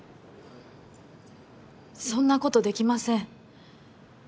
そんなことできません